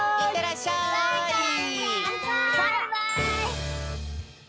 バイバイ！